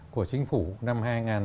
của chính phủ năm hai nghìn một mươi bốn